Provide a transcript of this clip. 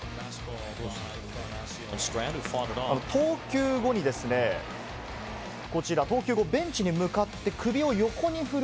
投球後にですね、ベンチに向かって首を横に振る